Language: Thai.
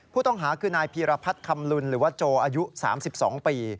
ผู้ต้องหาคือนายพีรพัฒน์คำลุนหรือว่าโจอายุ๓๒ปี